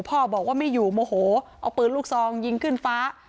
พ่อบอกว่าไม่อยู่โมโหเอาปืนลูกซองยิงขึ้นฟ้า